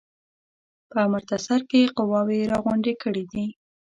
په امرتسر کې قواوي را غونډي کړي دي.